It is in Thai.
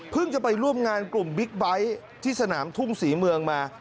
จะไปร่วมงานกลุ่มบิ๊กไบท์ที่สนามทุ่งศรีเมืองมา